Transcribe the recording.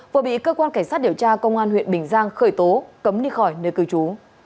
vừa bị cơ quan cảnh sát điều tra công an huyện bình giang khởi tố cấm đi khỏi nơi cư trú